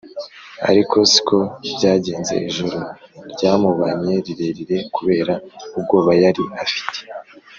ariko siko byagenze ijoro ryamubanye rirerire kubera ubwoba yari afite,